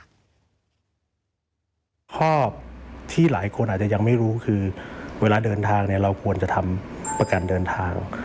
ข้อที่หลายคนอาจจะยังไม่รู้คือเวลาเดินทางเนี่ยเราควรจะทำประกันเดินทาง